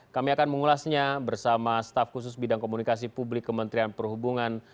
kami akan mengulasnya bersama staf khusus bidang komunikasi publik kementerian perhubungan